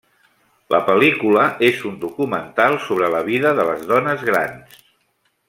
La pel·lícula és un documental sobre la vida de les dones grans.